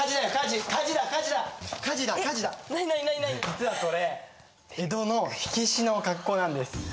実はこれ江戸の火消しの格好なんです。